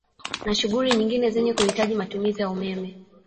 Na shughuli nyingine zenye kuhitaji matumizi ya umeme